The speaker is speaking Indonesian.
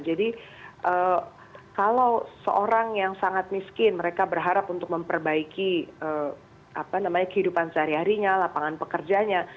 jadi kalau seorang yang sangat miskin mereka berharap untuk memperbaiki kehidupan sehari harinya lapangan pekerjanya